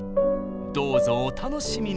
どうぞお楽しみに！